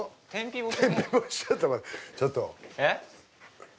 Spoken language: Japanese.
ちょっとちょっと。